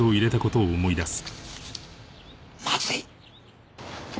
まずい。